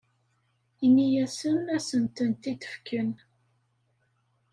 Ini-asen ad asen-tent-id-fken.